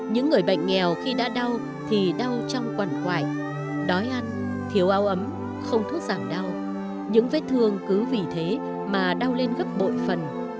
những người bệnh nghèo khi đã đau thì đau trong quẩn quẩy đói ăn thiếu áo ấm không thuốc giảm đau những vết thương cứ vì thế mà đau lên gấp bội phần